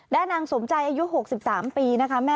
ด้านนางสมใจอายุ๖๓ปีนะคะ